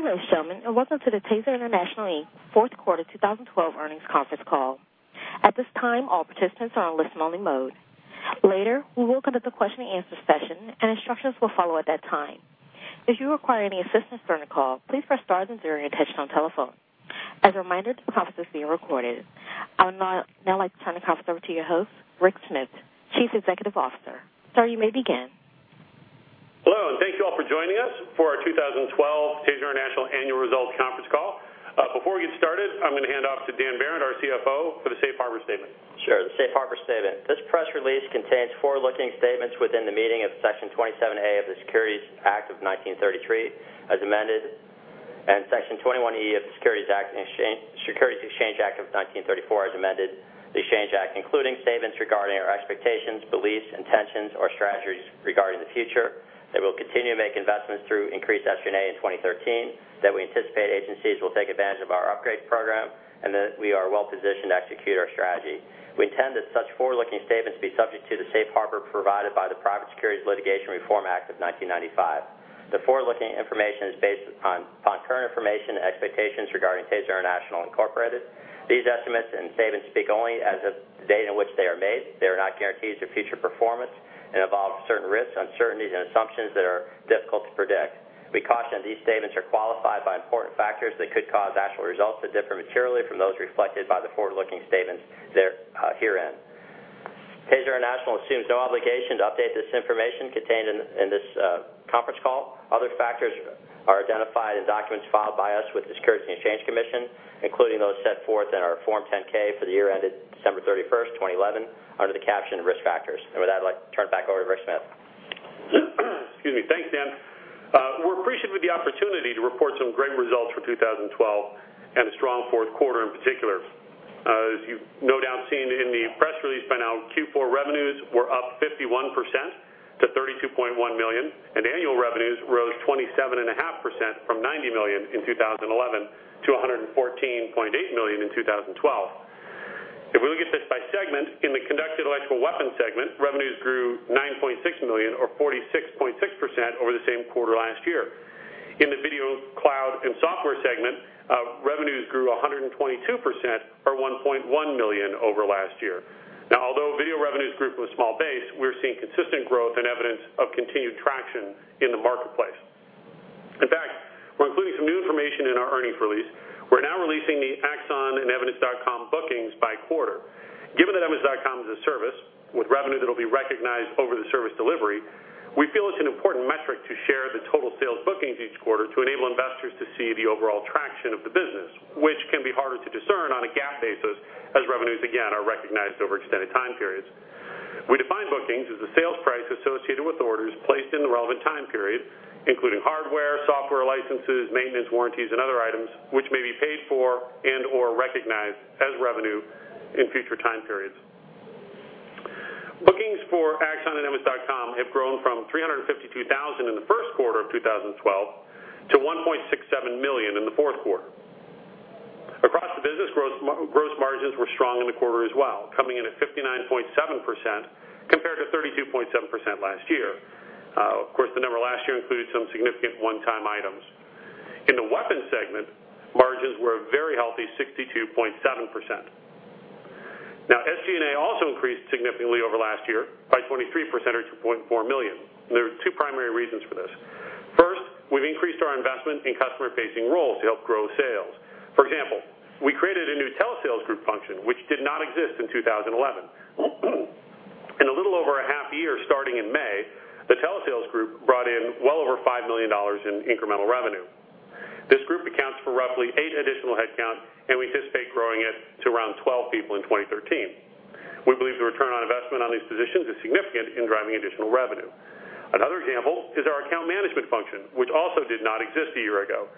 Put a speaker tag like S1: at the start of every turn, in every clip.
S1: Good day, ladies and gentlemen, and welcome to the TASER International, Inc. fourth quarter 2012 earnings conference call. At this time, all participants are on a listen-only mode. Later, we will open up the question and answer session. Instructions will follow at that time. If you require any assistance during the call, please press star then zero on your touch-tone telephone. As a reminder, this conference is being recorded. I would now like to turn the conference over to your host, Rick Smith, Chief Executive Officer. Sir, you may begin.
S2: Hello, thank you all for joining us for our 2012 TASER International annual results conference call. Before we get started, I'm going to hand off to Dan Behrendt, our CFO, for the safe harbor statement.
S3: Sure, the safe harbor statement. This press release contains forward-looking statements within the meaning of Section 27A of the Securities Act of 1933, as amended, and Section 21E of the Securities Exchange Act of 1934, as amended, the Exchange Act, including statements regarding our expectations, beliefs, intentions, or strategies regarding the future, that we'll continue to make investments through increased SG&A in 2013, that we anticipate agencies will take advantage of our upgrades program, and that we are well-positioned to execute our strategy. We intend that such forward-looking statements be subject to the safe harbor provided by the Private Securities Litigation Reform Act of 1995. The forward-looking information is based upon current information and expectations regarding TASER International, Incorporated. These estimates and statements speak only as of the date on which they are made. They are not guarantees of future performance and involve certain risks, uncertainties, and assumptions that are difficult to predict. We caution these statements are qualified by important factors that could cause actual results to differ materially from those reflected by the forward-looking statements herein. TASER International assumes no obligation to update this information contained in this conference call. Other factors are identified in documents filed by us with the Securities and Exchange Commission, including those set forth in our Form 10-K for the year ended December 31st, 2011, under the caption Risk Factors. With that, I'd like to turn it back over to Rick Smith.
S2: Excuse me. Thanks, Dan. We're appreciative of the opportunity to report some great results for 2012 and a strong fourth quarter in particular. As you've no doubt seen in the press release by now, Q4 revenues were up 51% to $32.1 million, and annual revenues rose 27.5% from $90 million in 2011 to $114.8 million in 2012. If we look at this by segment, in the conducted electrical weapon segment, revenues grew to $9.6 million, or 46.6% over the same quarter last year. In the video, cloud, and software segment, revenues grew 122%, or $1.1 million over last year. Although video revenues grew from a small base, we're seeing consistent growth and evidence of continued traction in the marketplace. In fact, we're including some new information in our earnings release. We're now releasing the Axon and Evidence.com bookings by quarter. Given that Evidence.com is a service with revenue that'll be recognized over the service delivery, we feel it's an important metric to share the total sales bookings each quarter to enable investors to see the overall traction of the business, which can be harder to discern on a GAAP basis as revenues, again, are recognized over extended time periods. We define bookings as the sales price associated with orders placed in the relevant time period, including hardware, software licenses, maintenance, warranties, and other items which may be paid for and/or recognized as revenue in future time periods. Bookings for Axon and Evidence.com have grown from $352,000 in the first quarter of 2012 to $1.67 million in the fourth quarter. Across the business, gross margins were strong in the quarter as well, coming in at 59.7% compared to 32.7% last year. Of course, the number last year included some significant one-time items. In the weapons segment, margins were a very healthy 62.7%. SG&A also increased significantly over last year by 23%, or $2.4 million. There are two primary reasons for this. First, we've increased our investment in customer-facing roles to help grow sales. For example, we created a new telesales group function, which did not exist in 2011. In a little over a half year starting in May, the telesales group brought in well over $5 million in incremental revenue. This group accounts for roughly eight additional headcount, and we anticipate growing it to around 12 people in 2013. We believe the return on investment on these positions is significant in driving additional revenue. Another example is our account management function, which also did not exist a year ago.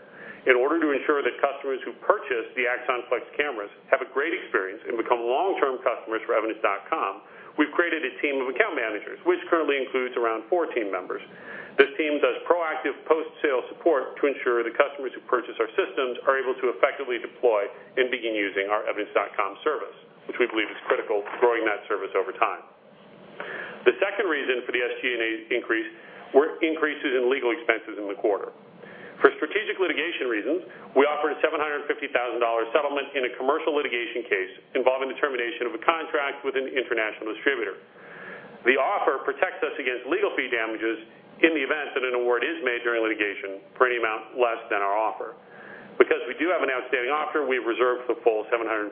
S2: In order to ensure that customers who purchase the Axon Flex cameras have a great experience and become long-term customers for Evidence.com, we've created a team of account managers, which currently includes around four team members. This team does proactive post-sale support to ensure the customers who purchase our systems are able to effectively deploy and begin using our Evidence.com service, which we believe is critical to growing that service over time. The second reason for the SG&A increase were increases in legal expenses in the quarter. For strategic litigation reasons, we offered a $750,000 settlement in a commercial litigation case involving the termination of a contract with an international distributor. The offer protects us against legal fee damages in the event that an award is made during litigation for any amount less than our offer. Because we do have an outstanding offer, we've reserved the full $750,000.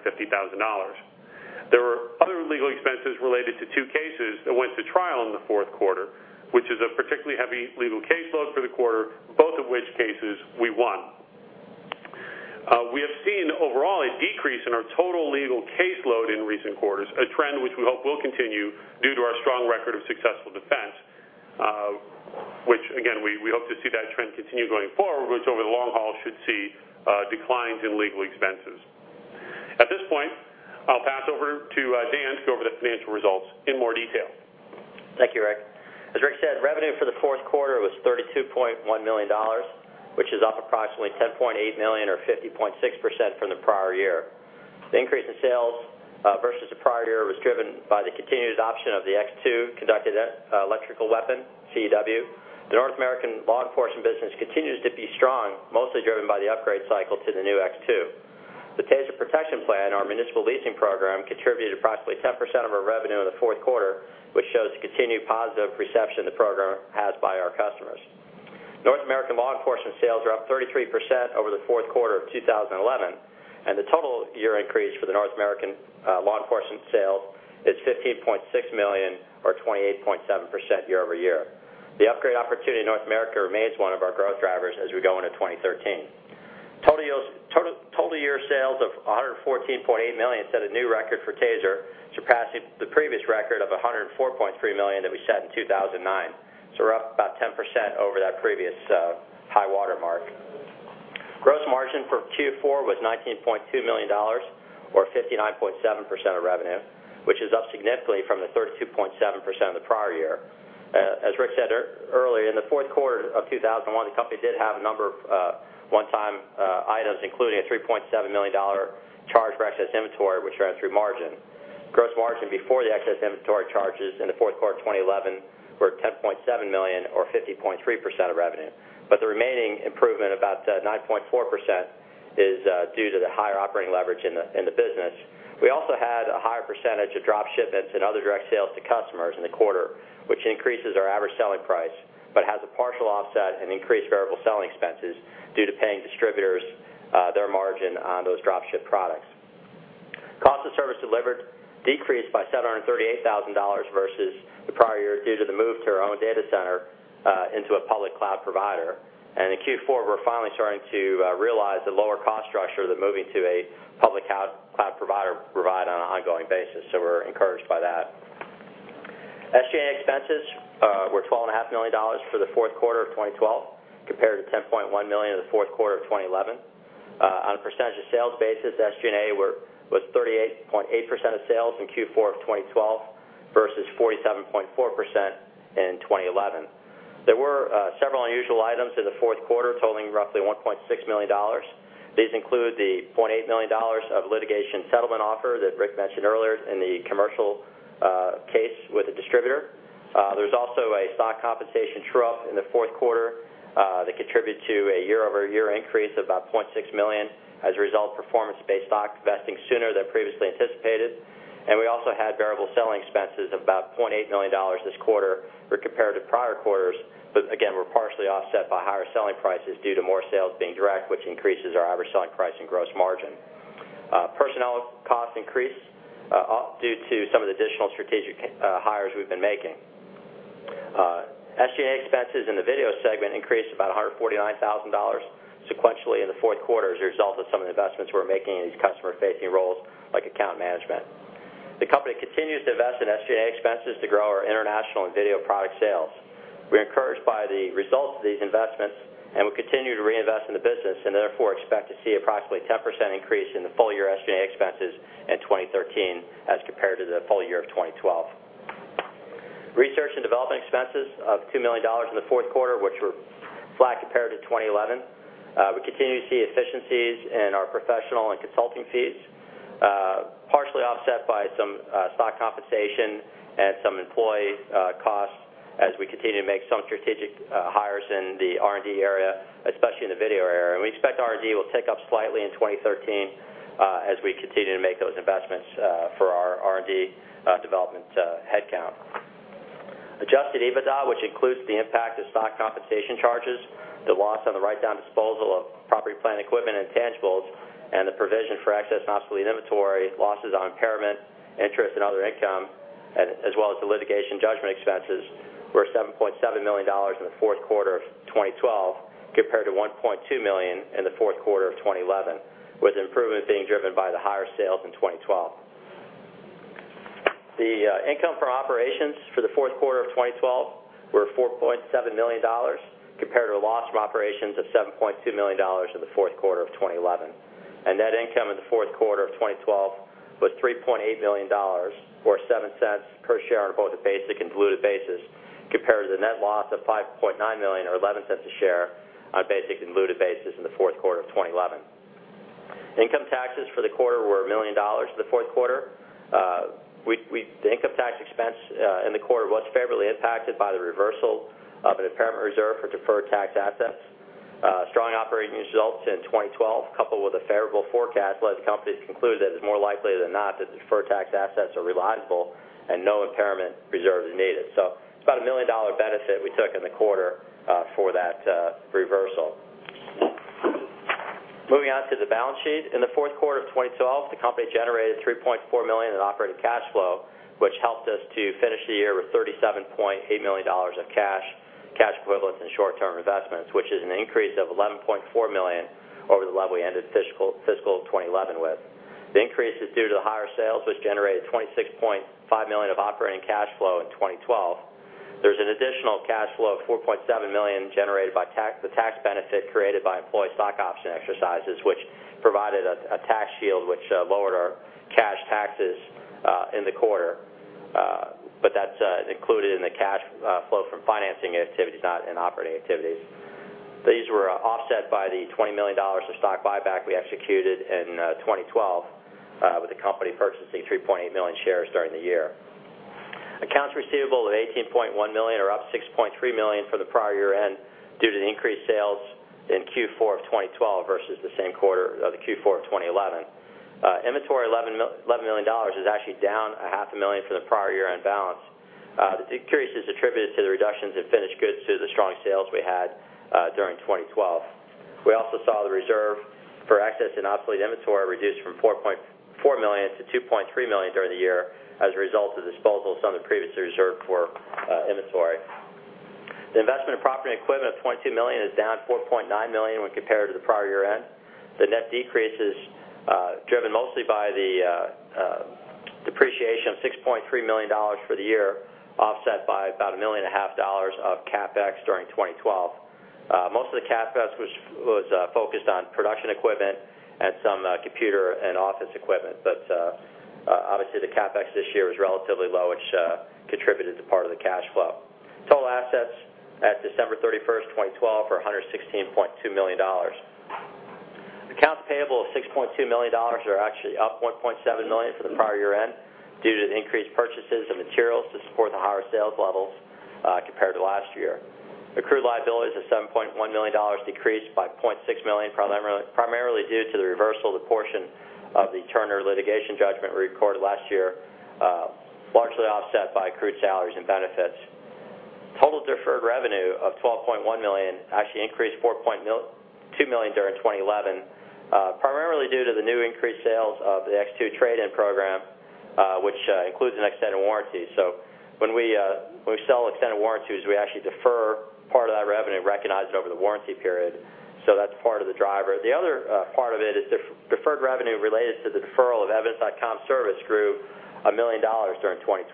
S2: There were other legal expenses related to two cases that went to trial in the fourth quarter, which is a particularly heavy legal caseload for the quarter, both of which cases we won. We have seen overall a decrease in our total legal caseload in recent quarters, a trend which we hope will continue due to our strong record of successful defense, which again, we hope to see that trend continue going forward, which over the long haul should see declines in legal expenses. At this point, I'll pass over to Dan to go over the financial results in more detail.
S3: Thank you, Rick. As Rick said, revenue for the fourth quarter was $32.1 million, which is up approximately $10.8 million, or 50.6% from the prior year. The increase in sales versus the prior year was driven by the continued adoption of the X2 conducted electrical weapon, CEW. The North American law enforcement business continues to be strong, mostly driven by the upgrade cycle to the new X2. The TASER Protection Plan, our municipal leasing program, contributed approximately 10% of our revenue in the fourth quarter, which shows the continued positive reception the program has by our customers. North American law enforcement sales are up 33% over the fourth quarter of 2011, and the total year increase for the North American law enforcement sales is $15.6 million, or 28.7% year-over-year. The upgrade opportunity in North America remains one of our growth drivers as we go into 2013. Total year sales of $114.8 million set a new record for TASER, surpassing the previous record of $104.3 million that we set in 2009. We're up about 10% over that previous high water mark. Gross margin for Q4 was $19.2 million, or 59.7% of revenue, which is up significantly from the 32.7% of the prior year. As Rick said earlier, in the fourth quarter of 2001, the company did have a number of one-time items, including a $3.7 million charge for excess inventory, which ran through margin. Gross margin before the excess inventory charges in the fourth quarter of 2011 were $10.7 million, or 50.3% of revenue. The remaining improvement, about 9.4%, is due to the higher operating leverage in the business. We also had a higher percentage of drop shipments and other direct sales to customers in the quarter, which increases our average selling price, but has a partial offset in increased variable selling expenses due to paying distributors their margin on those drop-shipped products. Cost of service delivered decreased by $738,000 versus the prior year, due to the move to our own data center into a public cloud provider. In Q4, we're finally starting to realize the lower cost structure that moving to a public cloud provider provide on an ongoing basis. We're encouraged by that. SG&A expenses were $12.5 million for the fourth quarter of 2012, compared to $10.1 million in the fourth quarter of 2011. On a percentage of sales basis, SG&A was 38.8% of sales in Q4 of 2012 versus 47.4% in 2011. There were several unusual items in the fourth quarter, totaling roughly $1.6 million. These include the $0.8 million of litigation settlement offer that Rick mentioned earlier in the commercial case with a distributor. There is also a stock compensation true-up in the fourth quarter that contributed to a year-over-year increase of about $0.6 million as a result of performance-based stock vesting sooner than previously anticipated. We also had variable selling expenses of about $0.8 million this quarter when compared to prior quarters. Again, were partially offset by higher selling prices due to more sales being direct, which increases our average selling price and gross margin. Personnel costs increased due to some of the additional strategic hires we have been making. SG&A expenses in the video segment increased about $149,000 sequentially in the fourth quarter as a result of some of the investments we are making in these customer-facing roles, like account management. The company continues to invest in SG&A expenses to grow our international and video product sales. We are encouraged by the results of these investments, and we continue to reinvest in the business, and therefore, expect to see approximately 10% increase in the full-year SG&A expenses in 2013 as compared to the full year of 2012. Research and development expenses of $2 million in the fourth quarter, which were flat compared to 2011. We continue to see efficiencies in our professional and consulting fees, partially offset by some stock compensation and some employee costs as we continue to make some strategic hires in the R&D area, especially in the video area. We expect R&D will tick up slightly in 2013 as we continue to make those investments for our R&D development headcount. Adjusted EBITDA, which includes the impact of stock compensation charges, the loss on the write-down disposal of property, plant equipment, and tangibles, and the provision for excess and obsolete inventory, losses on impairment, interest and other income, as well as the litigation judgment expenses, were $7.7 million in the fourth quarter of 2012 compared to $1.2 million in the fourth quarter of 2011, with improvement being driven by the higher sales in 2012. The income from operations for the fourth quarter of 2012 were $4.7 million, compared to a loss from operations of $7.2 million in the fourth quarter of 2011. Net income in the fourth quarter of 2012 was $3.8 million, or $0.07 per share on both a basic and diluted basis, compared to the net loss of $5.9 million or $0.11 per share on basic and diluted basis in the fourth quarter of 2011. Income taxes for the quarter were $1 million for the fourth quarter. The income tax expense in the quarter was favorably impacted by the reversal of an impairment reserve for deferred tax assets. Strong operating results in 2012, coupled with a favorable forecast, led the company to conclude that it is more likely than not that the deferred tax assets are reliable and no impairment reserve is needed. So it is about a $1 million benefit we took in the quarter for that reversal. Moving on to the balance sheet. In the fourth quarter of 2012, the company generated $3.4 million in operating cash flow, which helped us to finish the year with $37.8 million of cash equivalents, and short-term investments, which is an increase of $11.4 million over the level we ended fiscal 2011 with. The increase is due to the higher sales, which generated $26.5 million of operating cash flow in 2012. There's an additional cash flow of $4.7 million generated by the tax benefit created by employee stock option exercises, which provided a tax shield which In the quarter, but that's included in the cash flow from financing activities, not in operating activities. These were offset by the $20 million of stock buyback we executed in 2012, with the company purchasing 3.8 million shares during the year. Accounts receivable of $18.1 million are up $6.3 million from the prior year-end due to the increased sales in Q4 of 2012 versus the same quarter of Q4 of 2011. Inventory, $11 million, is actually down a half a million from the prior year-end balance. The decrease is attributed to the reductions in finished goods due to the strong sales we had during 2012. We also saw the reserve for excess and obsolete inventory reduced from $4.4 million to $2.3 million during the year as a result of disposals on the previously reserved for inventory. The investment in property and equipment of $20.2 million is down $4.9 million when compared to the prior year-end. The net decrease is driven mostly by the depreciation of $6.3 million for the year, offset by about a million and a half dollars of CapEx during 2012. Most of the CapEx was focused on production equipment and some computer and office equipment. Obviously, the CapEx this year was relatively low, which contributed to part of the cash flow. Total assets at December 31st, 2012, were $116.2 million. Accounts payable of $6.2 million are actually up $1.7 million from the prior year-end due to the increased purchases of materials to support the higher sales levels compared to last year. Accrued liabilities of $7.1 million decreased by $0.6 million, primarily due to the reversal of the portion of the Turner litigation judgment we recorded last year, largely offset by accrued salaries and benefits. Total deferred revenue of $12.1 million actually increased $4.2 million during 2011, primarily due to the new increased sales of the X2 trade-in program, which includes an extended warranty. When we sell extended warranties, we actually defer part of that revenue and recognize it over the warranty period. That's part of the driver. The other part of it is deferred revenue related to the deferral of Evidence.com service grew $1 million during 2012.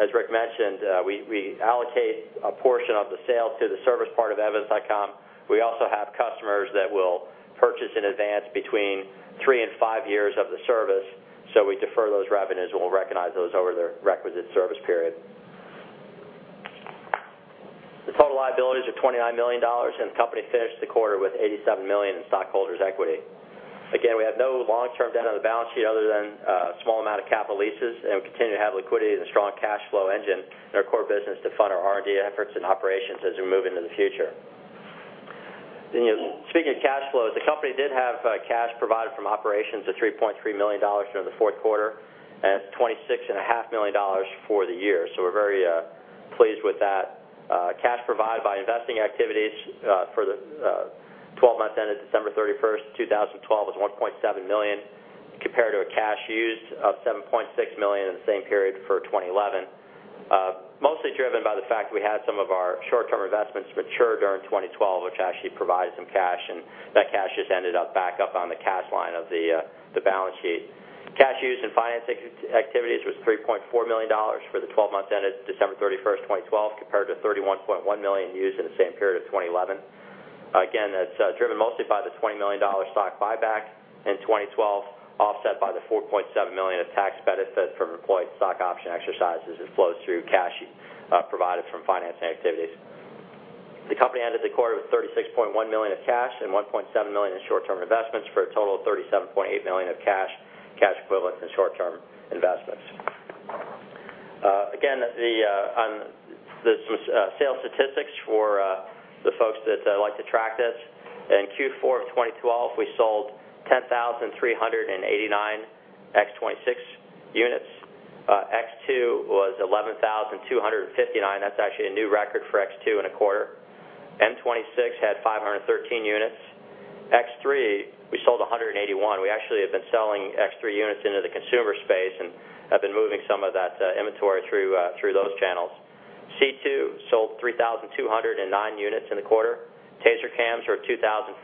S3: As Rick mentioned, we allocate a portion of the sale to the service part of Evidence.com. We also have customers that will purchase in advance between 3 and 5 years of the service, so we defer those revenues, and we'll recognize those over their requisite service period. The total liabilities are $29 million, and the company finished the quarter with $87 million in stockholders' equity. We have no long-term debt on the balance sheet other than a small amount of capital leases, and we continue to have liquidity and a strong cash flow engine in our core business to fund our R&D efforts and operations as we move into the future. Speaking of cash flows, the company did have cash provided from operations of $3.3 million during the fourth quarter and $26.5 million for the year, so we're very pleased with that. Cash provided by investing activities for the 12 months ended December 31st, 2012, was $1.7 million, compared to a cash used of $7.6 million in the same period for 2011. Mostly driven by the fact we had some of our short-term investments mature during 2012, which actually provided some cash, and that cash just ended up back up on the cash line of the balance sheet. Cash used in financing activities was $3.4 million for the 12 months ended December 31st, 2012, compared to $31.1 million used in the same period of 2011. That's driven mostly by the $20 million stock buyback in 2012, offset by the $4.7 million of tax benefits from employee stock option exercises. It flows through cash provided from financing activities. The company ended the quarter with $36.1 million of cash and $1.7 million in short-term investments for a total of $37.8 million of cash equivalents, and short-term investments. On the sales statistics for the folks that like to track this. In Q4 of 2012, we sold 10,389 X26 units. X2 was 11,259. That's actually a new record for X2 in a quarter. M26 had 513 units. X3, we sold 181. We actually have been selling X3 units into the consumer space and have been moving some of that inventory through those channels. C2 sold 3,209 units in the quarter. TASER CAMs were 2,413,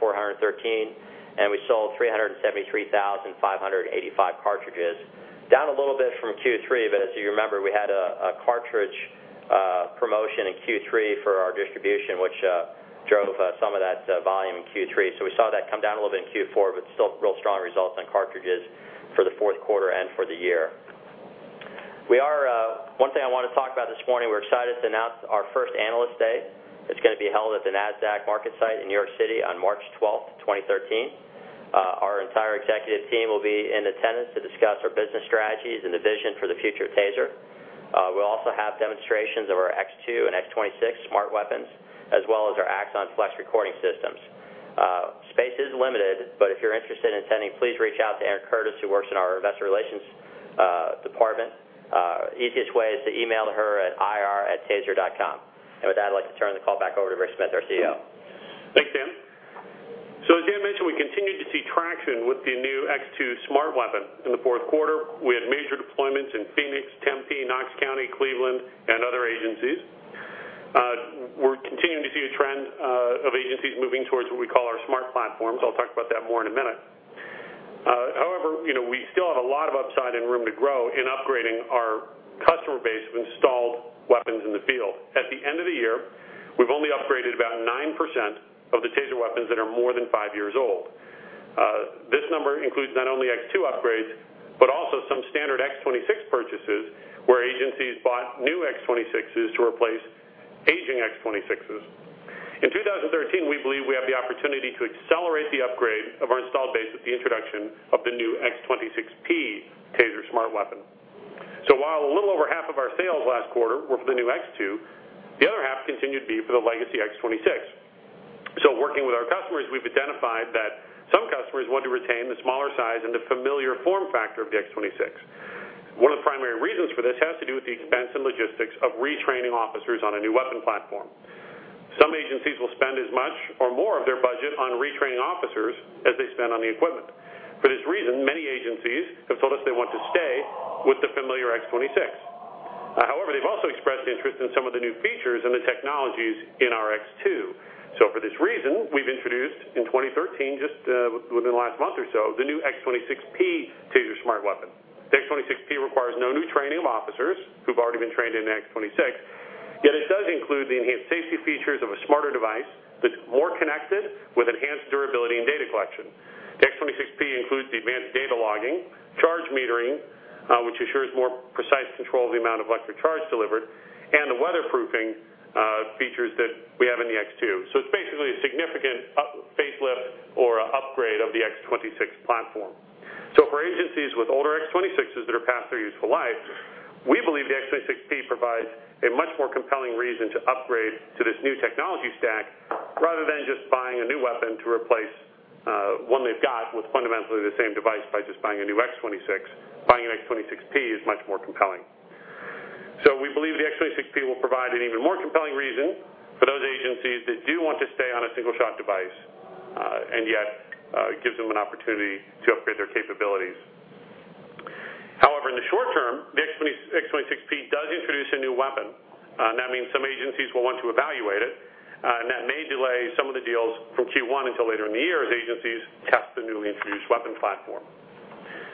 S3: and we sold 373,585 cartridges. Down a little bit from Q3, but as you remember, we had a cartridge promotion in Q3 for our distribution, which drove some of that volume in Q3. We saw that come down a little bit in Q4, but still real strong results on cartridges for the fourth quarter and for the year. One thing I want to talk about this morning, we're excited to announce our first Analyst Day. It's going to be held at the Nasdaq market site in New York City on March 12th, 2013. Our entire executive team will be in attendance to discuss our business strategies and the vision for the future of TASER. We'll also have demonstrations of our X2 and X26 smart weapons, as well as our Axon Flex recording systems. Space is limited, but if you're interested in attending, please reach out to Erin Curtis, who works in our investor relations department. Easiest way is to email her at ir@taser.com. With that, I'd like to turn the call back over to Rick Smith, our CEO.
S2: Thanks, Dan. As Dan mentioned, we continued to see traction with the new X2 Smart Weapon in the fourth quarter. We had major deployments in Phoenix, Tempe, Knox County, Cleveland, and other agencies. We're continuing to see a trend of agencies moving towards what we call our Smart Platforms. I'll talk about that more in a minute. However, we still have a lot of upside and room to grow in upgrading our customer base of installed weapons in the field. At the end of the year, we've only upgraded about 9% of the TASER weapons that are more than five years old. This number includes not only X2 upgrades, but also some standard X26 purchases, where agencies bought new X26s to replace aging X26s. In 2013, we believe we have the opportunity to accelerate the upgrade of our installed base with the introduction of the new X26P TASER Smart Weapon. While a little over half of our sales last quarter were for the new X2, the other half continued to be for the legacy X26. Working with our customers, we've identified that some customers want to retain the smaller size and the familiar form factor of the X26. One of the primary reasons for this has to do with the expense and logistics of retraining officers on a new weapon platform. Some agencies will spend as much or more of their budget on retraining officers as they spend on the equipment. For this reason, many agencies have told us they want to stay with the familiar X26. However, they've also expressed interest in some of the new features and the technologies in our X2. For this reason, we've introduced in 2013, just within the last month or so, the new X26P TASER Smart Weapon. The X26P requires no new training of officers who've already been trained in the X26, yet it does include the enhanced safety features of a smarter device that's more connected with enhanced durability and data collection. The X26P includes the advanced data logging, charge metering, which assures more precise control of the amount of electric charge delivered, and the weatherproofing features that we have in the X2. It's basically a significant facelift or an upgrade of the X26 platform. For agencies with older X26s that are past their useful life, we believe the X26P provides a much more compelling reason to upgrade to this new technology stack, rather than just buying a new weapon to replace one they've got with fundamentally the same device by just buying a new X26. Buying an X26P is much more compelling. We believe the X26P will provide an even more compelling reason for those agencies that do want to stay on a single-shot device, and yet, gives them an opportunity to upgrade their capabilities. However, in the short term, the X26P does introduce a new weapon. That means some agencies will want to evaluate it, and that may delay some of the deals from Q1 until later in the year as agencies test the newly introduced weapon platform.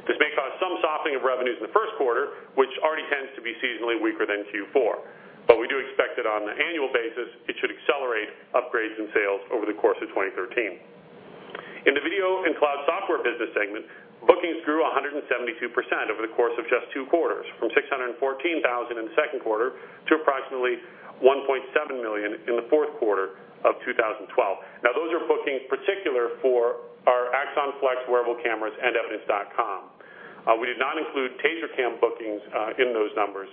S2: This may cause some softening of revenues in the first quarter, which already tends to be seasonally weaker than Q4. We do expect that on an annual basis, it should accelerate upgrades and sales over the course of 2013. In the video and cloud software business segment, bookings grew 172% over the course of just two quarters, from $614,000 in the second quarter to approximately $1.7 million in the fourth quarter of 2012. Those are bookings particular for our Axon Flex wearable cameras and Evidence.com. We did not include TASER CAM bookings in those numbers.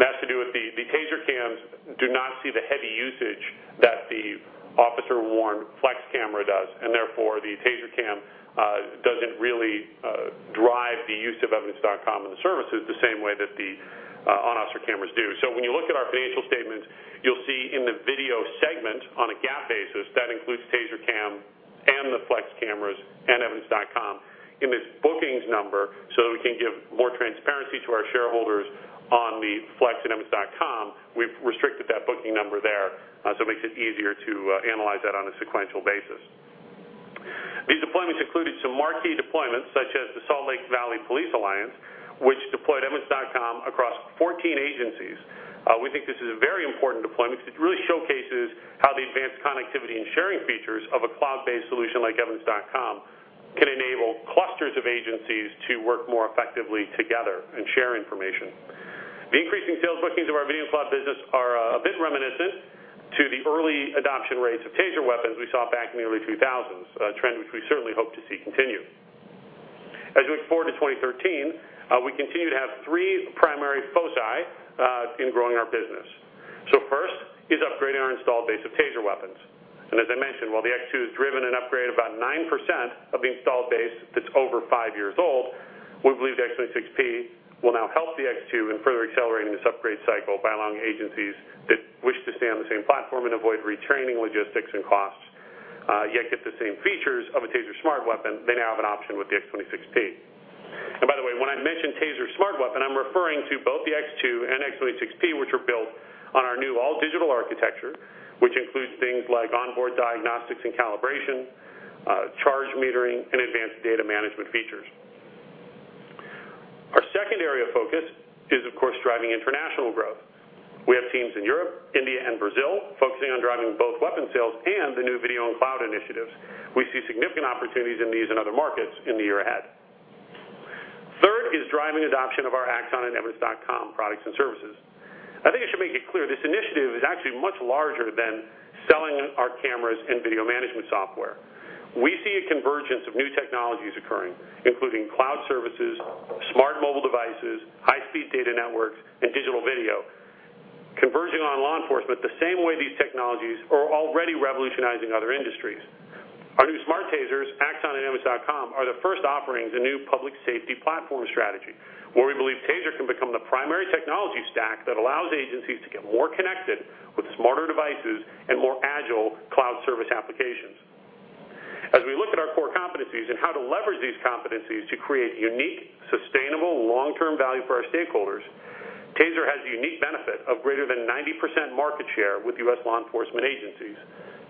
S2: That's to do with the TASER CAMs do not see the heavy usage that the officer-worn Flex camera does, and therefore, the TASER CAM doesn't really drive the use of Evidence.com and the services the same way that the on-officer cameras do. When you look at our financial statements, you'll see in the video segment on a GAAP basis, that includes TASER CAM and the Flex cameras and Evidence.com. In this bookings number, so that we can give more transparency to our shareholders on the Flex and Evidence.com, we've restricted that booking number there, so it makes it easier to analyze that on a sequential basis. These deployments included some marquee deployments, such as the Salt Lake Valley Police Alliance, which deployed Evidence.com across 14 agencies. We think this is a very important deployment because it really showcases how the advanced connectivity and sharing features of a cloud-based solution like Evidence.com can enable clusters of agencies to work more effectively together and share information. The increasing sales bookings of our video and cloud business are a bit reminiscent to the early adoption rates of TASER Weapons we saw back in the early 2000s, a trend which we certainly hope to see continue. As we look forward to 2013, we continue to have three primary foci in growing our business. First is upgrading our installed base of TASER Weapons. As I mentioned, while the X2 has driven an upgrade of about 9% of the installed base that's over five years old, we believe the X26P will now help the X2 in further accelerating this upgrade cycle by allowing agencies that wish to stay on the same platform and avoid retraining, logistics, and costs, yet get the same features of a TASER Smart Weapon, they now have an option with the X26P. By the way, when I mention TASER Smart Weapon, I'm referring to both the X2 and X26P, which are built on our new all-digital architecture, which includes things like onboard diagnostics and calibration, charge metering, and advanced data management features. Our second area of focus is, of course, driving international growth. We have teams in Europe, India, and Brazil focusing on driving both weapon sales and the new video and cloud initiatives. We see significant opportunities in these and other markets in the year ahead. Third is driving adoption of our Axon and Evidence.com products and services. I think I should make it clear, this initiative is actually much larger than selling our cameras and video management software. We see a convergence of new technologies occurring, including cloud services, smart mobile devices, high-speed data networks, and digital video, converging on law enforcement the same way these technologies are already revolutionizing other industries. Our new Smart TASERs, Axon and Evidence.com, are the first offerings in new public safety platform strategy, where we believe TASER can become the primary technology stack that allows agencies to get more connected with smarter devices and more agile cloud service applications. As we look at our core competencies and how to leverage these competencies to create unique, sustainable, long-term value for our stakeholders, TASER has the unique benefit of greater than 90% market share with U.S. law enforcement agencies,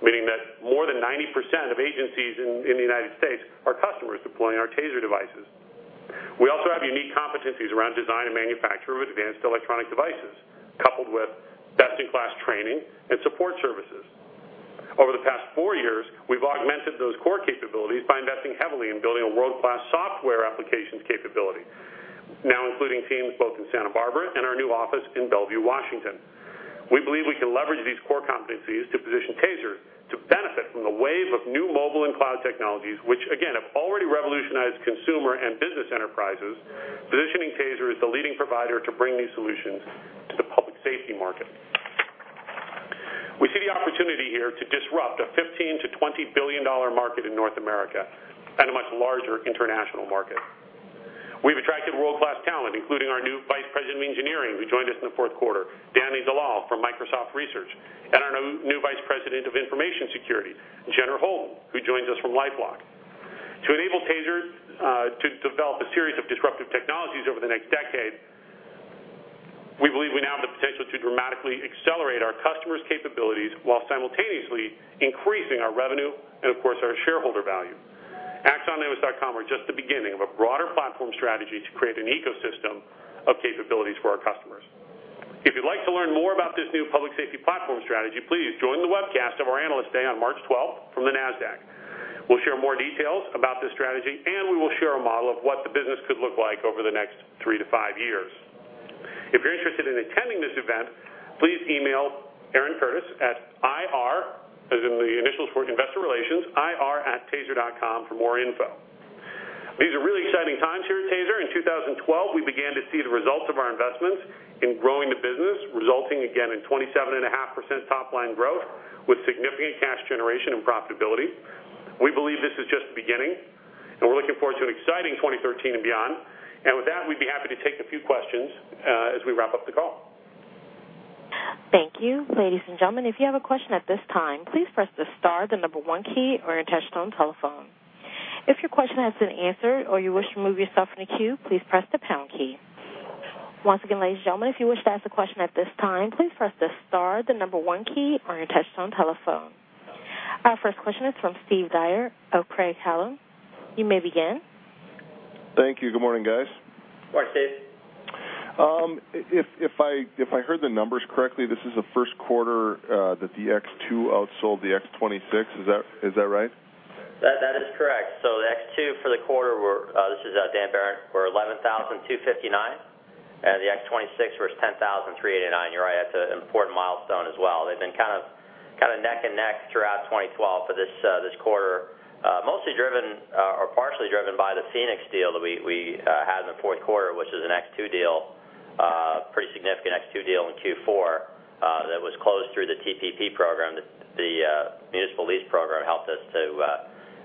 S2: meaning that more than 90% of agencies in the United States are customers deploying our TASER devices. We also have unique competencies around design and manufacture of advanced electronic devices, coupled with best-in-class training and support services. Over the past four years, we've augmented those core capabilities by investing heavily in building a world-class software applications capability, now including teams both in Santa Barbara and our new office in Bellevue, Washington. We believe we can leverage these core competencies to position TASER to benefit from the wave of new mobile and cloud technologies, which again, have already revolutionized consumer and business enterprises, positioning TASER as the leading provider to bring these solutions to the public safety market. We see the opportunity here to disrupt a $15 billion-$20 billion market in North America, and a much larger international market. We've attracted world-class talent, including our new Vice President of Engineering, who joined us in the fourth quarter, Danny Dalal from Microsoft Research, and our new Vice President of Information Security, Gunnar Holm, who joins us from LifeLock. To enable TASER to develop a series of disruptive technologies over the next decade, we believe we now have the potential to dramatically accelerate our customers' capabilities while simultaneously increasing our revenue and, of course, our shareholder value. Axon and Evidence.com are just the beginning of a broader platform strategy to create an ecosystem of capabilities for our customers. If you'd like to learn more about this new public safety platform strategy, please join the webcast of our Analyst Day on March 12th from the Nasdaq. We'll share more details about this strategy, and we will share a model of what the business could look like over the next three to five years. If you're interested in attending this event, please email Erin Curtis at IR, as in the initials for investor relations, ir@taser.com for more info. These are really exciting times here at TASER. In 2012, we began to see the results of our investments in growing the business, resulting again in 27.5% top-line growth with significant cash generation and profitability. We believe this is just the beginning, and we're looking forward to an exciting 2013 and beyond. With that, we'd be happy to take a few questions as we wrap up the call.
S1: Thank you. Ladies and gentlemen, if you have a question at this time, please press the star, the number one key on your touchtone telephone. If your question has been answered or you wish to remove yourself from the queue, please press the pound key. Once again, ladies and gentlemen, if you wish to ask a question at this time, please press the star, the number one key on your touchtone telephone. Our first question is from Steve Dyer of Craig-Hallum. You may begin.
S4: Thank you. Good morning, guys.
S3: Good morning, Steve.
S4: If I heard the numbers correctly, this is the first quarter that the X2 outsold the X26. Is that right?
S3: That is correct. The X2 for the quarter, this is Dan Behrendt, were 11,259, and the X26 was 10,389. You're right. That's an important milestone as well. They've been kind of neck and neck throughout 2012 for this quarter. Mostly driven, or partially driven by the Phoenix deal that we had in the fourth quarter, which is an X2 deal, pretty significant X2 deal in Q4, that was closed through the TPP program. The Municipal Lease program helped us to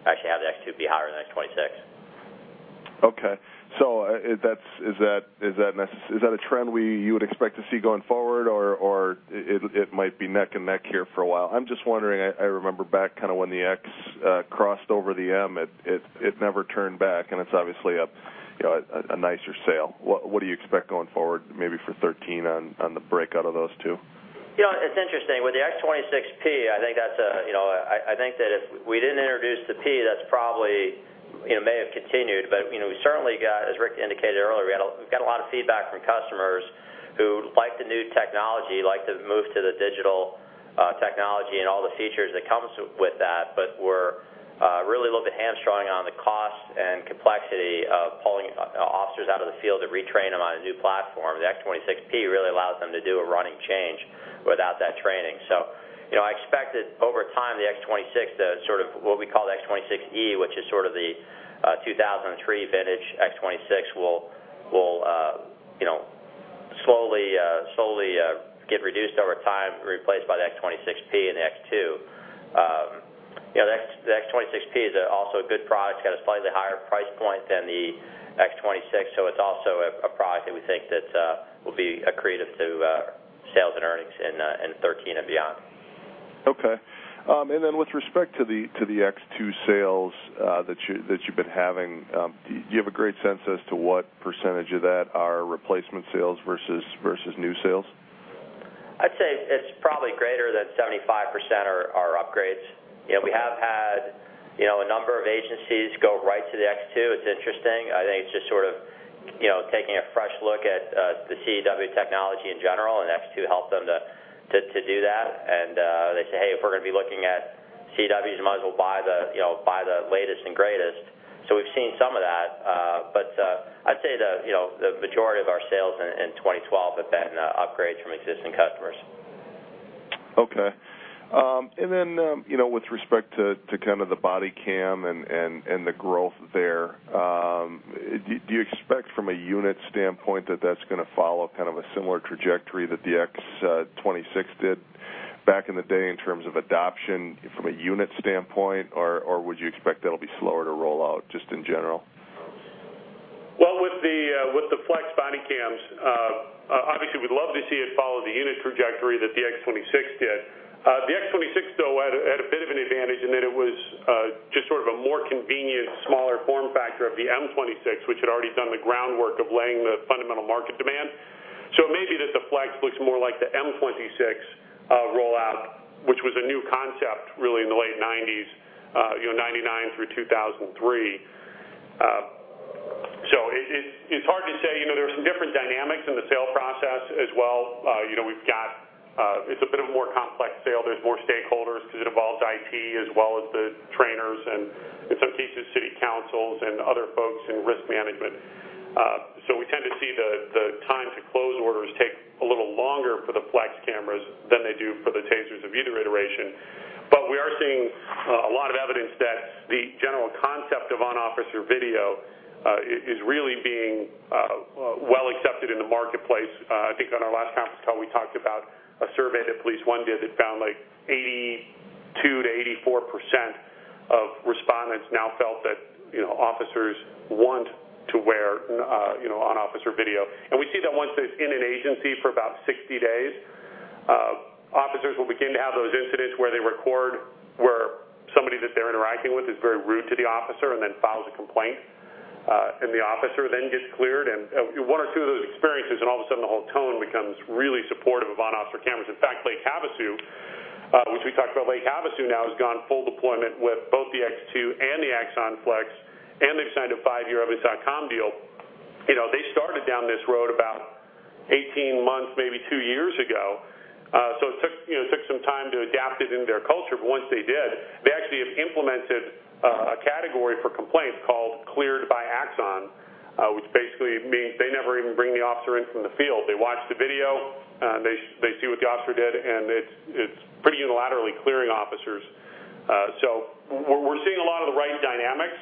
S3: actually have the X2 be higher than X26.
S4: Okay. Is that a trend you would expect to see going forward, or it might be neck and neck here for a while? I'm just wondering, I remember back when the X crossed over the M, it never turned back, and it's obviously a nicer sale. What do you expect going forward, maybe for 2013 on the breakout of those two?
S3: It's interesting. With the X26P, I think that if we didn't introduce the P, that probably may have continued. We certainly got, as Rick indicated earlier, we got a lot of feedback from customers who like the new technology, like to move to the digital technology and all the features that comes with that, but were really a little bit hamstrung on the cost and complexity of pulling officers out of the field to retrain them on a new platform. The X26P really allows them to do a running change without that training. I expect that over time, the X26, the sort of what we call the X26E, which is sort of the 2003 vintage X26 will slowly get reduced over time and replaced by the X26P and the X2. The X26P is also a good product, slightly higher price point than the X26. It's also a product that we think that will be accretive to sales and earnings in 2013 and beyond.
S4: Okay. With respect to the X2 sales that you've been having, do you have a great sense as to what % of that are replacement sales versus new sales?
S3: I'd say it's probably greater than 75% are upgrades. We have had a number of agencies go right to the X2. It's interesting. I think it's just sort of taking a fresh look at the CEW technology in general, and X2 helps them to do that. They say, "Hey, if we're going to be looking at CEWs, you might as well buy the latest and greatest." We've seen some of that. I'd say the majority of our sales in 2012 have been upgrades from existing customers.
S4: Okay. With respect to kind of the body cam and the growth there, do you expect from a unit standpoint that's going to follow kind of a similar trajectory that the X26 did back in the day in terms of adoption from a unit standpoint, or would you expect that'll be slower to roll out just in general?
S2: Well, with the Flex body cams, obviously we'd love to see it follow the unit trajectory that the X26 did. The X26, though, had a bit of an advantage in that it was just sort of a more convenient, smaller form factor of the M26, which had already done the groundwork of laying the fundamental market demand. It may be that the Flex looks more like the M26 rollout, which was a new concept, really, in the late '90s, 1999 through 2003. It's hard to say. There are some different dynamics in the sales process as well. It's a bit of a more complex sale. There's more stakeholders because it involves IT as well as the trainers and, in some cases, city councils and other folks in risk management. We tend to see the time to close orders take a little longer for the Flex cameras than they do for the TASERs of either iteration. But we are seeing a lot of evidence that the general concept of on-officer video is really being well-accepted in the marketplace. I think on our last conference call, we talked about a survey that Police1 did that found like 82%-84% of respondents now felt that officers want to wear on-officer video. And we see that once it's in an agency for about 60 days, officers will begin to have those incidents where they record, where somebody that they're interacting with is very rude to the officer and then files a complaint, and the officer then gets cleared. And one or 2 of those experiences, and all of a sudden, the whole tone becomes really supportive of on-officer cameras. In fact, Lake Havasu, which we talked about, Lake Havasu now has gone full deployment with both the X2 and the Axon Flex, and they've signed a 5-year Evidence.com deal. They started down this road about 18 months, maybe 2 years ago. So it took some time to adapt it into their culture, but once they did, they actually have implemented a category for complaints called Cleared by Axon, which basically means they never even bring the officer in from the field. They watch the video, they see what the officer did, and it's pretty unilaterally clearing officers. We're seeing a lot of the right dynamics.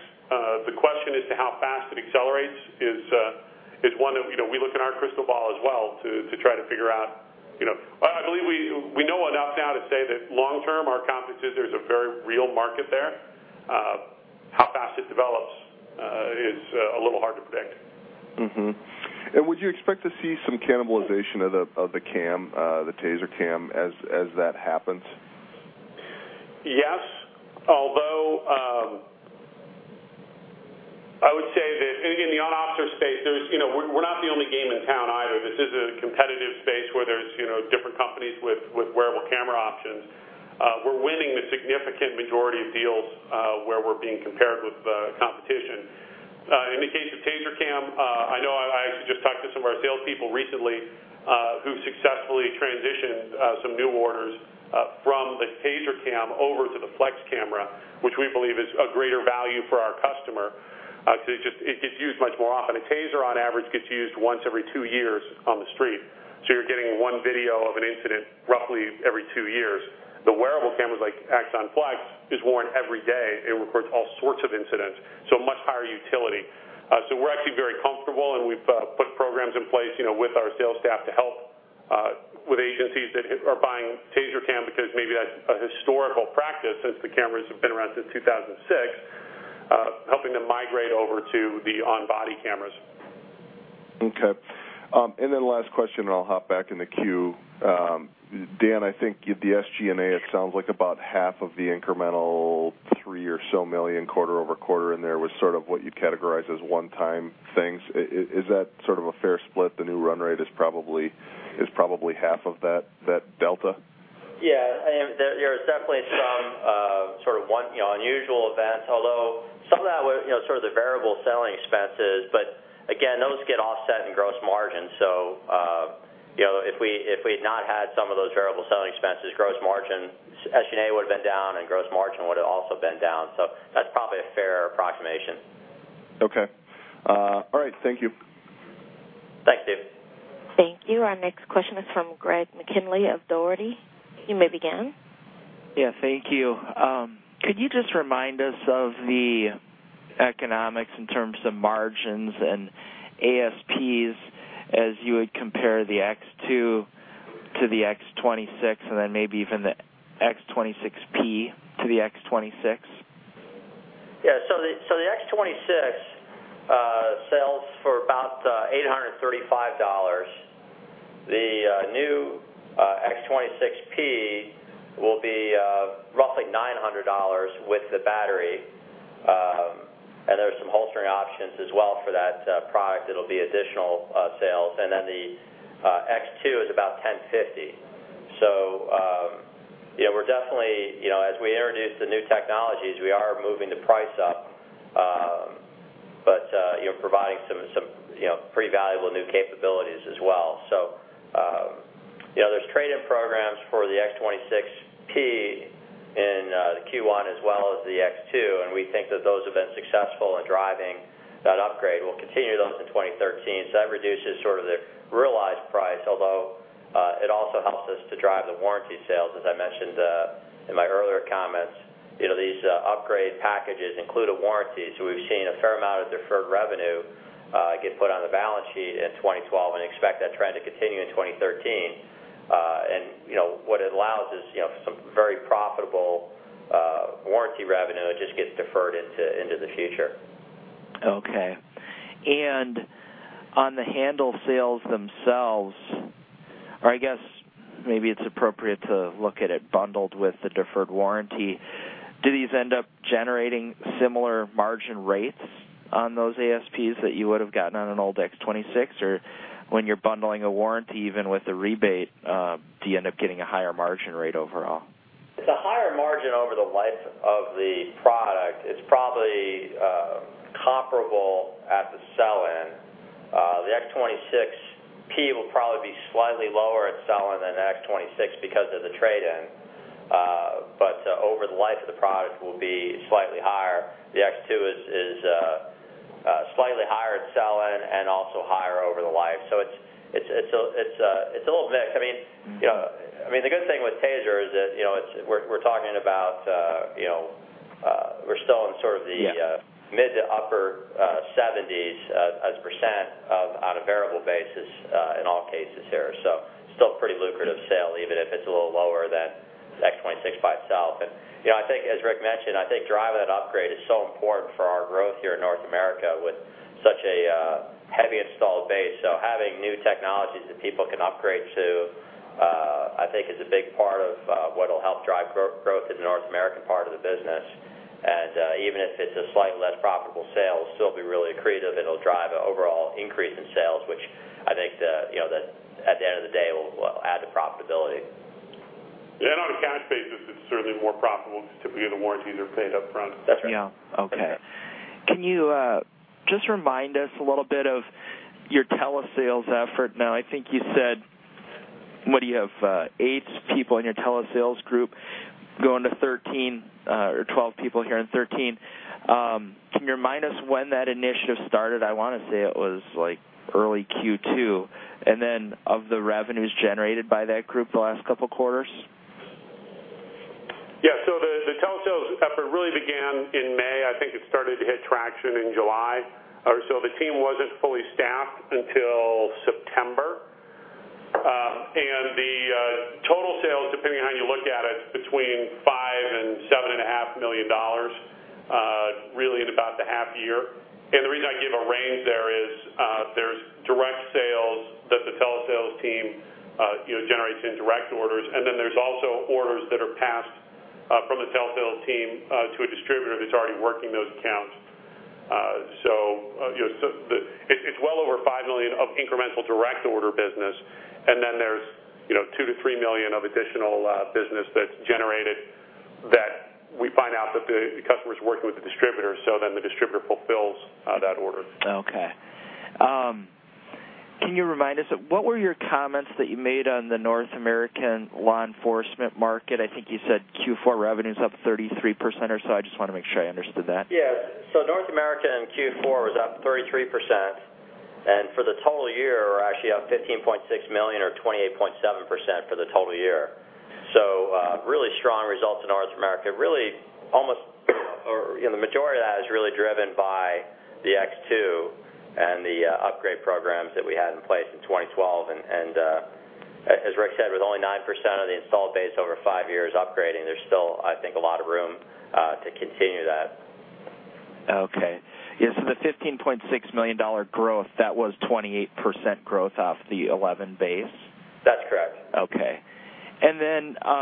S2: The question as to how fast it accelerates is one that we look in our crystal ball as well to try to figure out. I believe we know enough now to say that long term, our confidence is there's a very real market there. How fast it develops is a little hard to predict.
S4: Would you expect to see some cannibalization of the TASER CAM as that happens?
S2: Yes, although, I would say that in the on-officer space, we're not the only game in town either. This is a competitive space where there's different companies with wearable camera options. We're winning the significant majority of deals where we're being compared with the competition. In the case of TASER CAM, I know I actually just talked to some of our salespeople recently, who've successfully transitioned some new orders from the TASER CAM over to the Axon Flex camera, which we believe is a greater value for our customer. Because it gets used much more often. A TASER, on average, gets used once every two years on the street, so you're getting one video of an incident roughly every two years. The wearable cameras like Axon Flex is worn every day and records all sorts of incidents, so much higher utility. We're actually very comfortable, and we've put programs in place with our sales staff to help with agencies that are buying TASER CAM, because maybe that's a historical practice since the cameras have been around since 2006, helping them migrate over to the on-body cameras.
S4: Okay. Last question, and I'll hop back in the queue. Dan, I think the SG&A, it sounds like about half of the incremental $3 million or so quarter-over-quarter in there was sort of what you'd categorize as one-time things. Is that sort of a fair split? The new run rate is probably half of that delta?
S3: Yeah. There is definitely some sort of unusual events, although some of that was sort of the variable selling expenses. Again, those get offset in gross margin. If we had not had some of those variable selling expenses, SG&A would've been down, and gross margin would've also been down. That's probably a fair approximation.
S4: Okay. All right, thank you.
S3: Thanks, Steve.
S1: Thank you. Our next question is from Greg McKinley of Dougherty. You may begin.
S5: Thank you. Could you just remind us of the economics in terms of margins and ASPs as you would compare the X2 to the X26, and then maybe even the X26P to the X26?
S3: The X26 sells for about $835. The new X26P will be roughly $900 with the battery. There's some holstering options as well for that product that'll be additional sales. The X2 is about $1,050. As we introduce the new technologies, we are moving the price up, but providing some pretty valuable new capabilities as well. There's trade-in programs for the X26P in Q1 as well as the X2, and we think that those have been successful in driving that upgrade. We'll continue those into 2023. That reduces sort of the realized price, although it also helps us to drive the warranty sales, as I mentioned in my earlier comments. These upgrade packages include a warranty, so we've seen a fair amount of deferred revenue get put on the balance sheet in 2012 and expect that trend to continue in 2023. What it allows is some very profitable warranty revenue that just gets deferred into the future.
S5: Okay. On the handle sales themselves Or I guess maybe it's appropriate to look at it bundled with the deferred warranty. Do these end up generating similar margin rates on those ASPs that you would have gotten on an old X26? When you're bundling a warranty, even with a rebate, do you end up getting a higher margin rate overall?
S3: It's a higher margin over the life of the product. It's probably comparable at the sell end. The X26P will probably be slightly lower at sell end than the X26 because of the trade-in. Over the life of the product will be slightly higher. The X2 is slightly higher at sell end and also higher over the life. It's a little mix. The good thing with TASER is that we're still in sort of the-
S5: Yeah
S3: mid to upper 70s as % on a variable basis in all cases here. Still pretty lucrative sale, even if it's a little lower than X26 by itself. I think, as Rick mentioned, I think driving that upgrade is so important for our growth here in North America with such a heavy installed base. Having new technologies that people can upgrade to, I think is a big part of what'll help drive growth in the North American part of the business. Even if it's a slightly less profitable sale, it'll still be really accretive. It'll drive an overall increase in sales, which I think that at the end of the day, will add to profitability.
S2: Yeah, on a cash basis, it's certainly more profitable because typically the warranties are paid up front.
S3: That's right.
S5: Yeah. Okay. Can you just remind us a little bit of your telesales effort? Now, I think you said, what do you have, eight people in your telesales group, going to 13, or 12 people here in 13. Can you remind us when that initiative started, I want to say it was early Q2, of the revenues generated by that group the last couple of quarters?
S2: Yeah. The telesales effort really began in May. I think it started to hit traction in July. The team wasn't fully staffed until September. The total sales, depending on how you look at it, between $5 million and $7.5 million, really in about the half year. The reason I give a range there is, there's direct sales that the telesales team generates in direct orders, and then there's also orders that are passed from the telesales team to a distributor that's already working those accounts. It's well over $5 million of incremental direct order business, and then there's $2 million to $3 million of additional business that's generated that we find out that the customer's working with the distributor, the distributor fulfills that order.
S5: Okay. Can you remind us, what were your comments that you made on the North American law enforcement market? I think you said Q4 revenue's up 33% or so. I just want to make sure I understood that.
S3: Yeah. North America in Q4 was up 33%, and for the total year, we're actually up $15.6 million, or 28.7% for the total year. Really strong results in North America. Really, the majority of that is really driven by the X2 and the upgrade programs that we had in place in 2012, and as Rick said, with only 9% of the installed base over five years upgrading, there's still, I think, a lot of room to continue that.
S5: Okay. Yeah, the $15.6 million growth, that was 28% growth off the 11 base?
S3: That's correct.
S5: Okay.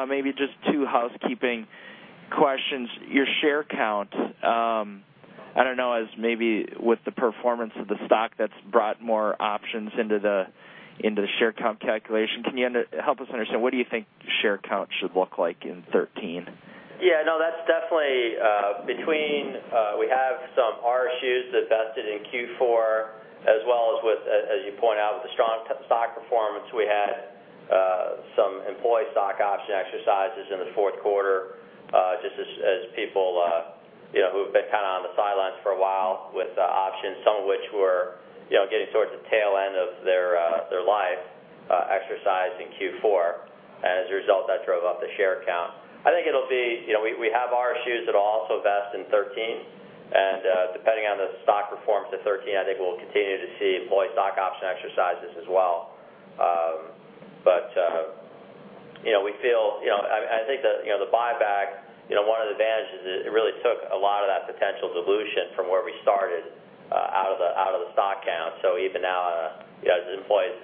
S5: Maybe just two housekeeping questions. Your share count. I don't know, as maybe with the performance of the stock that's brought more options into the share count calculation. Can you help us understand, what do you think share count should look like in 2013?
S3: We have some RSUs that vested in Q4, as well as with, as you point out, with the strong stock performance, we had some employee stock option exercises in the fourth quarter, just as people who have been on the sidelines for a while with options, some of which were getting towards the tail end of their life, exercised in Q4. As a result, that drove up the share count. I think we have RSUs that will also vest in 2013, and depending on the stock performance of 2013, I think we'll continue to see employee stock option exercises as well. I think the buyback, one of the advantages is it really took a lot of that potential dilution from where we started out of the stock count. Even now, as employees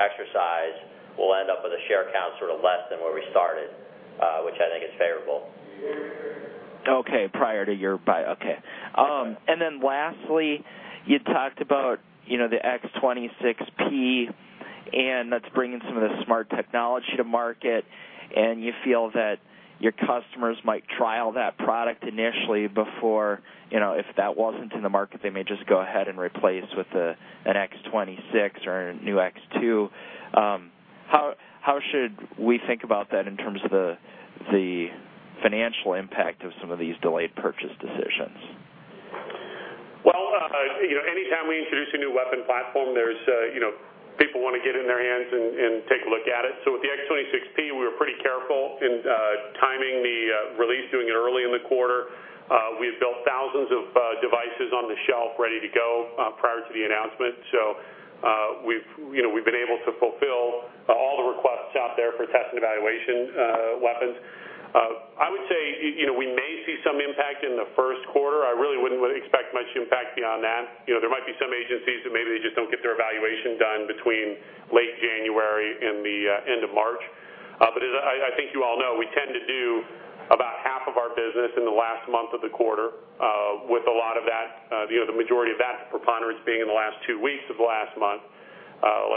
S3: exercise, we'll end up with a share count sort of less than where we started, which I think is favorable.
S5: Okay, prior to your buy. Okay.
S3: That's right.
S5: Lastly, you talked about the X26P, and that's bringing some of the smart technology to market, and you feel that your customers might trial that product initially before If that wasn't in the market, they may just go ahead and replace with an X26 or a new X2. How should we think about that in terms of the financial impact of some of these delayed purchase decisions?
S2: Well, anytime we introduce a new weapon platform, people want to get it in their hands and take a look at it. With the X26P, we were pretty careful in timing the release, doing it early in the quarter. We had built thousands of devices on the shelf ready to go prior to the announcement. We've been able to fulfill all the requests out there for test and evaluation weapons. I would say, we may see some impact in the first quarter. I really wouldn't expect much impact beyond that. There might be some agencies that maybe they just don't get their evaluation done between late January and the end of March. As I think you all know, we tend to do about Half of our business in the last month of the quarter, with the majority of that preponderance being in the last two weeks of last month.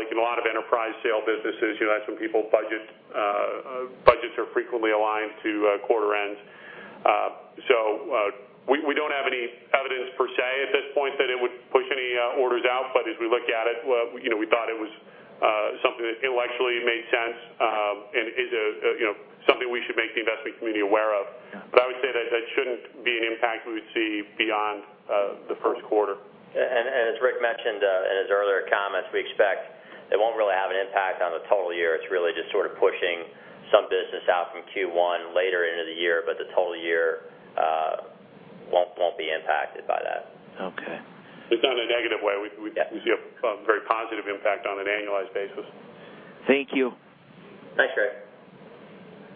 S2: In a lot of enterprise sale businesses, you'll have some people's budgets are frequently aligned to quarter ends. We don't have any evidence per se at this point that it would push any orders out. As we look at it, we thought it was something that intellectually made sense, and is something we should make the investment community aware of.
S3: Yeah.
S2: I would say that shouldn't be an impact we would see beyond the first quarter.
S3: As Rick mentioned in his earlier comments, we expect it won't really have an impact on the total year. It's really just sort of pushing some business out from Q1 later into the year, the total year won't be impacted by that.
S5: Okay.
S2: Not in a negative way.
S3: Yeah.
S2: We see a very positive impact on an annualized basis.
S5: Thank you.
S3: Thanks, Greg.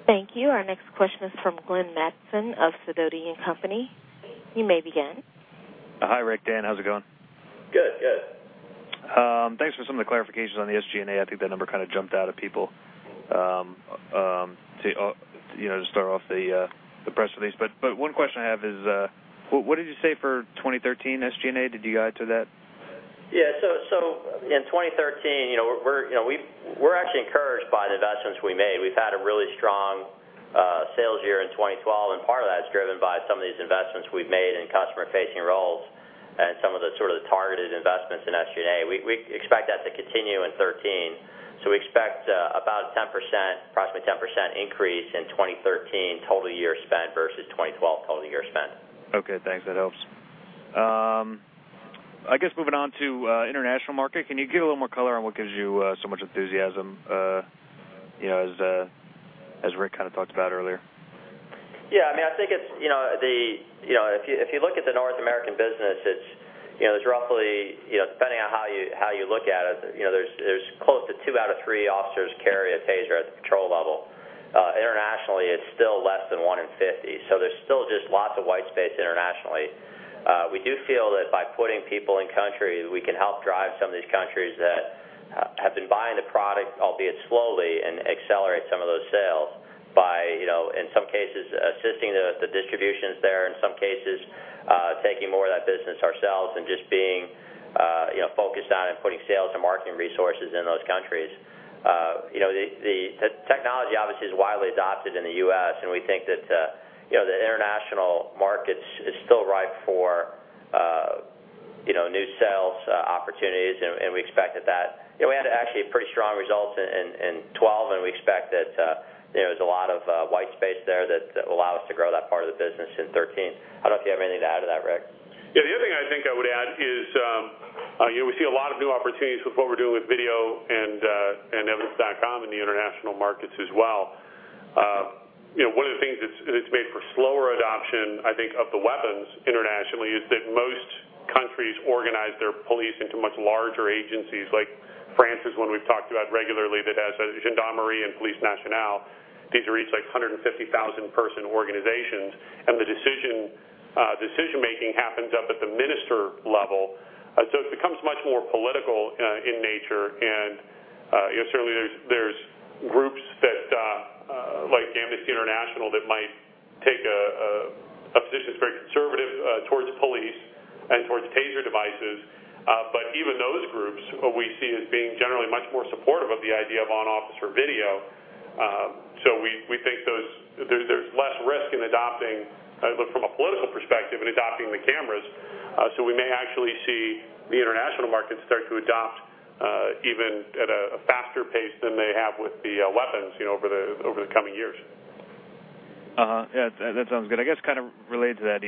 S1: Thank you. Our next question is from Glenn Mattson of Sidoti & Company. You may begin.
S6: Hi, Rick, Dan, how's it going?
S2: Good.
S3: Good.
S6: Thanks for some of the clarifications on the SG&A. I think that number kind of jumped out at people to start off the press release. One question I have is, what did you say for 2013 SG&A? Did you guide to that?
S3: Yeah. In 2013, we're actually encouraged by the investments we made. We've had a really strong sales year in 2012, and part of that is driven by some of these investments we've made in customer-facing roles and some of the sort of targeted investments in SG&A. We expect that to continue in 2013. We expect about approximately 10% increase in 2013 total year spend versus 2012 total year spend.
S6: Okay. Thanks. That helps. I guess moving on to international market, can you give a little more color on what gives you so much enthusiasm as Rick kind of talked about earlier?
S3: Yeah. If you look at the North American business, depending on how you look at it, there's close to two out of three officers carry a TASER at the patrol level. Internationally, it's still less than one in 50, so there's still just lots of white space internationally. We do feel that by putting people in countries, we can help drive some of these countries that have been buying the product, albeit slowly, and accelerate some of those sales by, in some cases, assisting the distributions there, in some cases, taking more of that business ourselves and just being focused on and putting sales and marketing resources in those countries. The technology obviously is widely adopted in the U.S. We think that the international market is still ripe for new sales opportunities. We expect that We had actually pretty strong results in 2012. We expect that there's a lot of white space there that will allow us to grow that part of the business in 2013. I don't know if you have anything to add to that, Rick.
S2: Yeah. The other thing I think I would add is, we see a lot of new opportunities with what we're doing with video and Evidence.com in the international markets as well. One of the things that's made for slower adoption, I think, of the weapons internationally is that most countries organize their police into much larger agencies. France is one we've talked about regularly that has Gendarmerie and Police Nationale. These are each 150,000-person organizations. The decision-making happens up at the minister level. It becomes much more political in nature, and certainly there's groups like Amnesty International that might take a position that's very conservative towards police and towards TASER devices. Even those groups we see as being generally much more supportive of the idea of on-officer video. We think there's less risk in adopting, from a political perspective, in adopting the cameras. We may actually see the international market start to adopt even at a faster pace than they have with the weapons over the coming years.
S6: Yeah. That sounds good. I guess kind of related to that,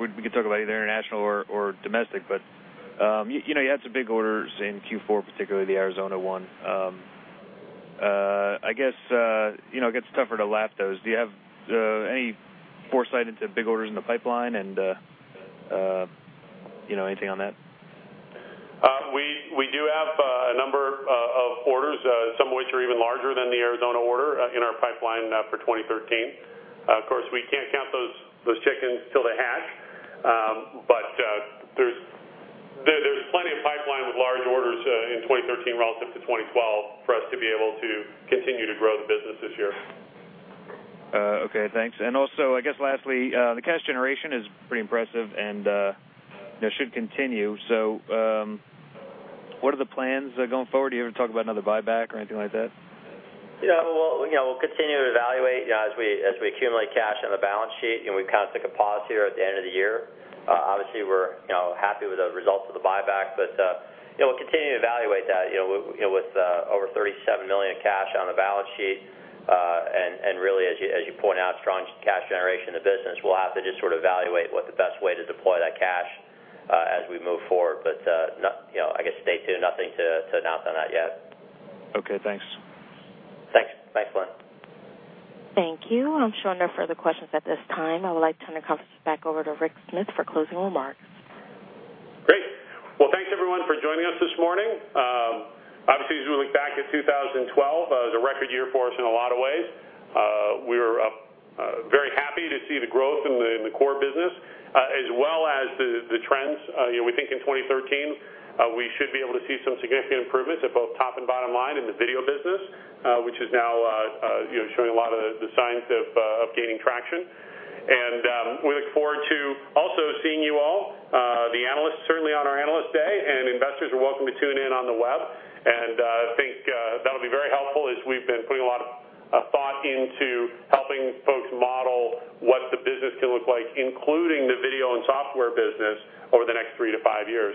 S6: we could talk about either international or domestic, but you had some big orders in Q4, particularly the Arizona one. I guess it gets tougher to lap those. Do you have any foresight into big orders in the pipeline and anything on that?
S2: We do have a number of orders, some of which are even larger than the Arizona order, in our pipeline for 2013. Of course, we can't count those chickens till they hatch. There's plenty of pipeline with large orders in 2013 relative to 2012 for us to be able to continue to grow the business this year.
S6: Okay, thanks. Also, I guess lastly, the cash generation is pretty impressive and should continue. What are the plans going forward? Do you ever talk about another buyback or anything like that?
S3: Yeah. We'll continue to evaluate as we accumulate cash on the balance sheet, and we kind of took a pause here at the end of the year. Obviously, we're happy with the results of the buyback, but we'll continue to evaluate that. With over $37 million of cash on the balance sheet, and really, as you point out, strong cash generation in the business, we'll have to just sort of evaluate what the best way to deploy that cash as we move forward. I guess stay tuned. Nothing to announce on that yet.
S6: Okay, thanks.
S3: Thanks. Bye, Glenn.
S1: Thank you. I'm showing no further questions at this time. I would like to turn the conference back over to Rick Smith for closing remarks.
S2: Great. Well, thanks everyone for joining us this morning. Obviously, as we look back at 2012, it was a record year for us in a lot of ways. We're very happy to see the growth in the core business as well as the trends. We think in 2013, we should be able to see some significant improvements at both top and bottom line in the video business, which is now showing a lot of the signs of gaining traction. We look forward to also seeing you all, the analysts certainly on our Analyst Day, and investors are welcome to tune in on the web. I think that'll be very helpful as we've been putting a lot of thought into helping folks model what the business can look like, including the video and software business, over the next three to five years.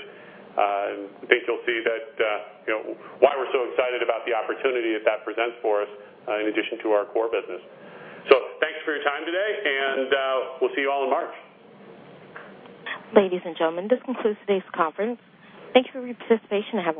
S2: I think you'll see why we're so excited about the opportunity that that presents for us in addition to our core business. Thanks for your time today, and we'll see you all in March.
S1: Ladies and gentlemen, this concludes today's conference. Thank you for your participation and have a wonderful afternoon.